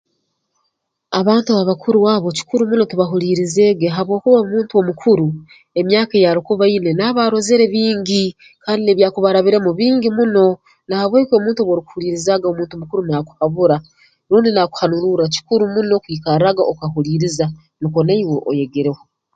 Abantu abakuru abo kikuru muno tubahuliirizege habwokuba omuntu omukuru emyaka eyarukuba aine naaba arozere bingi kandi n'ebyakuba arabiremu bingi muno na habweki omuntu obu okuhulirizaaga omuntu mukuru naakuhabura rundi naakuhanururra kikuru muno kwikarraaga okahuliiriza nukwo naiwe oyegereho